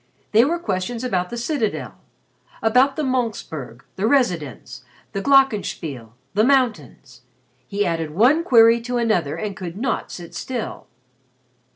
They were questions about the Citadel about the Monchsberg the Residenz the Glockenspiel the mountains. He added one query to another and could not sit still.